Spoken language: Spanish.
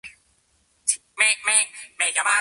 En la zona hay importantes yacimientos de petróleo y gas.